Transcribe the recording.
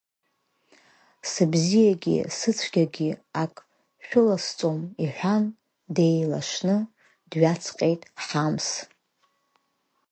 Сыбзиагьы сыцәгьагьы ак шәыласҵом, — иҳәан, деилашны дҩаҵҟьеит Ҳамс.